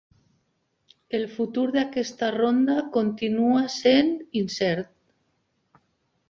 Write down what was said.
El futur d'aquesta ronda continua sent incert.